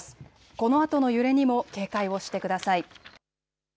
このあとの揺れにも警戒をしてください。